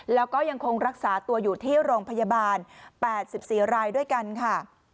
แล้วก็ยังคงรักษาตัวอยู่ที่โรงพยาบาล๘๔รายด้วยกันค่ะ